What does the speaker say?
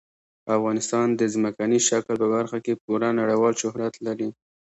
افغانستان د ځمکني شکل په برخه کې پوره نړیوال شهرت لري.